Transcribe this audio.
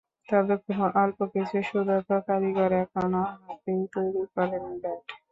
তবে খুব অল্প কিছু সুদক্ষ কারিগর এখনো হাতেই তৈরি করেন ব্যাট।